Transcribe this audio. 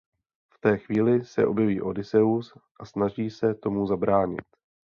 V té chvíli se objeví Odysseus a snaží se tomu zabránit.